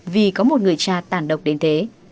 vì có một người cha tàn độc đến thế